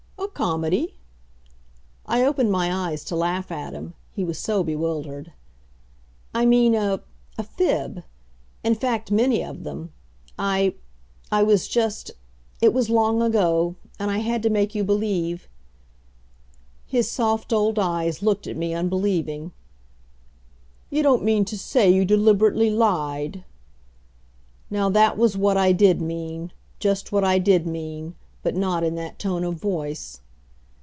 "A comedy!" I opened my eyes to laugh at him; he was so bewildered. "I mean a a fib; in fact, many of them. I I was just it was long ago and I had to make you believe " His soft old eyes looked at me unbelieving. "You don't mean to say you deliberately lied!" Now, that was what I did mean just what I did mean but not in that tone of voice.